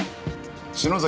篠崎